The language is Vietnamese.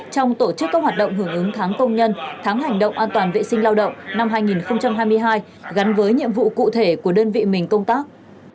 trong tổ chức các hoạt động hưởng ứng tháng công nhân tháng hành động an toàn vệ sinh lao động năm hai nghìn hai mươi hai gắn với nhiệm vụ cụ thể của đơn vị mình công tác